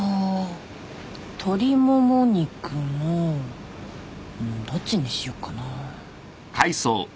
鶏もも肉のどっちにしよっかな。